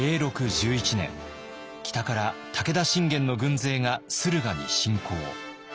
１１年北から武田信玄の軍勢が駿河に侵攻。